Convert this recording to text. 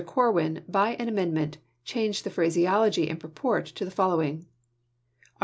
Corwin, by an amend ment, changed the phraseology and purport to the following : Art.